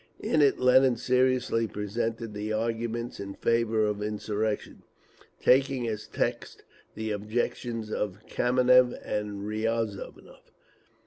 In it Lenin seriously presented the arguments in favour of insurrection, taking as text the objections of Kameniev and Riazonov.